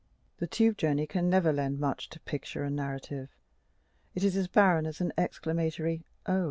The tube journey can never lend much to picture and narrative; it is as barren as an exclamatory O!